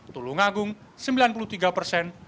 tulungagung sembilan puluh tiga persen